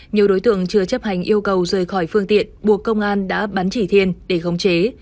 nhiều đối tượng chưa chấp hành yêu cầu rời khỏi phương tiện buộc công an đã bắn chỉ thiên để khống chế